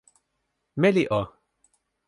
meli o!